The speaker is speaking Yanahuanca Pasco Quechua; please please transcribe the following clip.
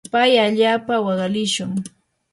pay allaapa waqalishun.